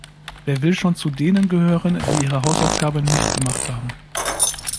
Wer will schon zu denen gehören, die ihre Hausaufgaben nicht gemacht haben?